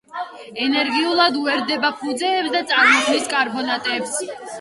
ენერგიულად უერთდება ფუძეებს და წარმოქმნის კარბონატებს.